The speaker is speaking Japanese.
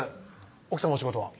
奥さまお仕事は？